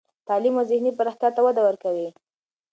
تعلیم و ذهني پراختیا ته وده ورکوي.